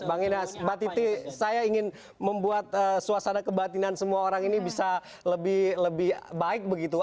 bang inas mbak titi saya ingin membuat suasana kebatinan semua orang ini bisa lebih baik begitu